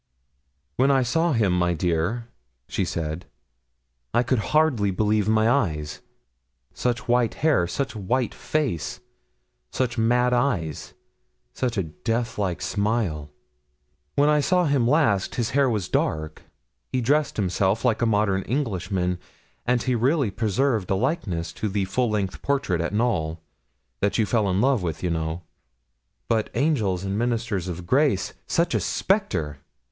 'When I saw him, my dear,' she said, 'I could hardly believe my eyes; such white hair such a white face such mad eyes such a death like smile. When I saw him last, his hair was dark; he dressed himself like a modern Englishman; and he really preserved a likeness to the full length portrait at Knowl, that you fell in love with, you know; but, angels and ministers of grace! such a spectre!